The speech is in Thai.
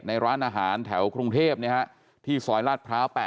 ร้านอาหารแถวกรุงเทพที่ซอยลาดพร้าว๘